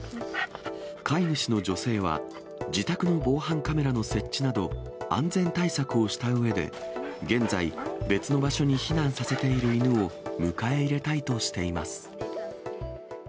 飼い主の女性は、自宅の防犯カメラの設置など、安全対策をしたうえで、現在、別の場所に避難させている犬を迎え入れたいとしています。